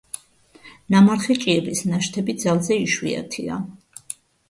ნამარხი ჭიების ნაშთები ძალზე იშვიათია.